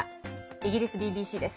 イギリスＢＢＣです。